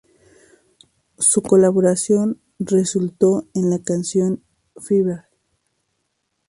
Su colaboración resultó en la canción "Fever".